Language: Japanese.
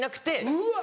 うわ！